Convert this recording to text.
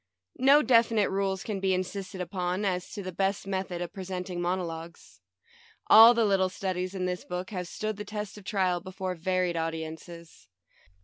No definite rules can be insisted upon as to the best method of presenting mono logues. All the little studies in this book have stood the test of trial before varied au diences.